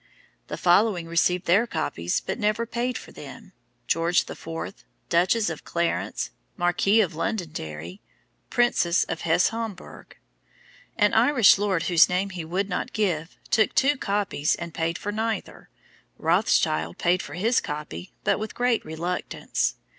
"The following received their copies but never paid for them: George IV., Duchess of Clarence, Marquis of Londonderry, Princess of Hesse Homburg. "An Irish lord whose name he would not give, took two copies and paid for neither. Rothschild paid for his copy, but with great reluctance.